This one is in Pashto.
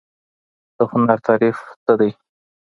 د هنر تعريف څه دی؟